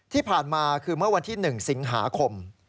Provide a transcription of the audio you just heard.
ที่ผ่านมาคือเมื่อวันที่๑สิงหาคม